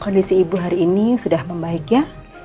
kondisi ibu hari ini sudah membaik ya